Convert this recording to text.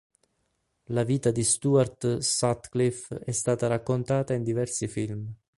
La vita di Stuart Sutcliffe è stata raccontata in diversi film.